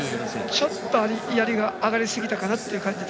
ちょっと、やりが上がり過ぎたかなと。